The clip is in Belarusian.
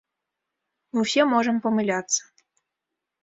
Мы ўсе можам памыляцца.